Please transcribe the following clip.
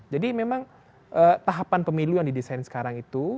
jadi memang tahapan pemilu yang didesain sekarang itu